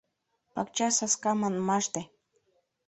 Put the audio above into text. Пакчасаска манмаште.